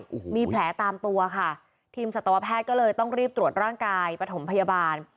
โอ้โหมีแผลตามตัวค่ะทีมสัตวแพทย์ก็เลยต้องรีบตรวจร่างกายปฐมพยาบาล